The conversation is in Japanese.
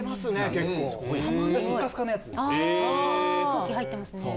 空気入ってますね。